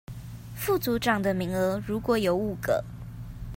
副組長的名額如果有五個